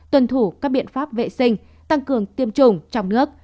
tuân thủ các biện pháp vệ sinh tăng cường tiêm chủng trong nước